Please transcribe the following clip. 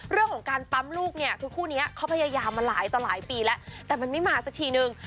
เรื่องของการปั๊มลูกเนี่ยคือคู่นี้เขาพยายามมาหลายต่อหลายปีแล้วแต่มันไม่มาสักทีนึง